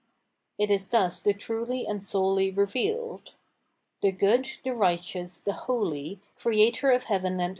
It is thus the truly and solely revealed. The Good, the Righteous, the Holy, Creator of Heaven VOL.